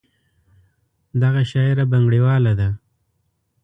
دغه شاعره بنګړیواله ده.